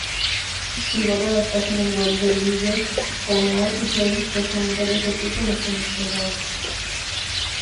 Si guarda las páginas web de Livejournal y Reddit los comentarios ocultos están desplegados.